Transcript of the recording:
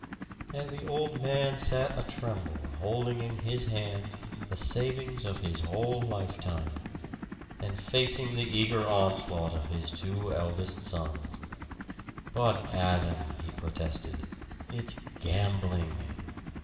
And the old man sat a tremble holding in his hands the savings of his whole lifetime, and facing the eager onslaught of his two eldest sons. "But, Adam!" he protested. "It's gambling!"